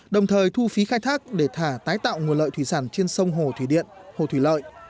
đồng thời thu phí khai thác để thả tái tạo nguồn lợi thủy sản trên sông hồ thủy điện hồ thủy lợi